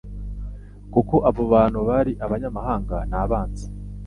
kuko abo bantu bar' abanyamahanga n'abanzi.